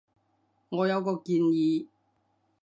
我有個建議